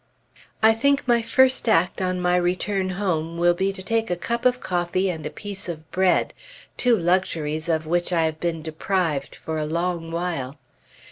I think my first act on my return home will be to take a cup of coffee and a piece of bread, two luxuries of which I have been deprived for a long while.